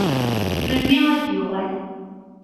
Melmi ara d-yuɣal?